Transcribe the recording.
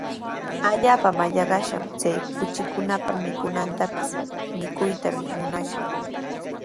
Allaapa mallaqnarshi chay kuchikunapa mikunantapis mikuytana munanaq.